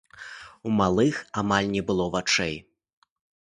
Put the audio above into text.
У малых амаль не было вачэй.